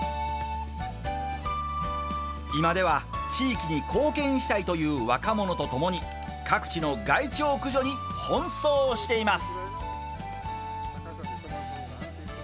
今では地域に貢献したいという若者と共に各地の害鳥駆除に奔走しています。